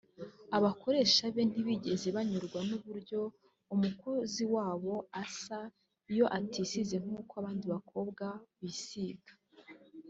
abakoresha be ntibigeze banyurwa n’uburyo umukozi wabo asa iyo atisize nk’uko abandi bakobwa bisiga